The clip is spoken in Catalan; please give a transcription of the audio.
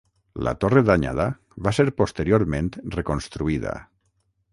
La torre danyada va ser posteriorment reconstruïda.